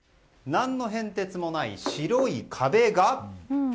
何の変哲もない白い壁が。